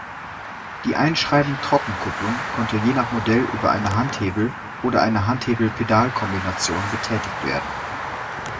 Die Einscheiben-Trockenkupplung konnte je nach Modell über einen Handhebel oder eine Handhebel-Pedal-Kombination betätigt werden.